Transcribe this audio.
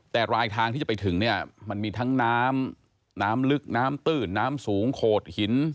แต่รายทางที่จะไปถึงเนี่ยมันมีทั้งน้ำน้ำลึกน้ำตื้นน้ำสูงโขดหิน